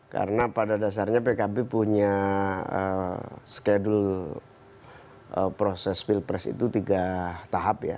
karena pada dasarnya pkb punya schedule proses pilpres itu tiga tahap ya